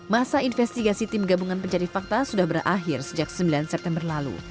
masa investigasi tim gabungan pencari fakta sudah berakhir sejak sembilan september lalu